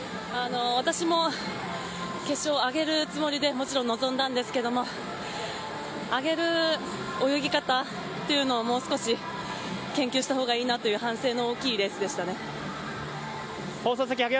私も決勝、上げるつもりでもちろん臨んだんですけども上げる泳ぎ方というのをもう少し、研究したほうがいいなという反省の大きいレースでしたね。